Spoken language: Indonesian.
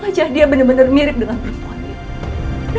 wajah dia benar benar mirip dengan perempuan